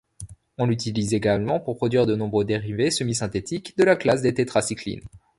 On l'utilise également pour produire de nombreux dérivés semi-synthétiques de la classe des tétracyclines.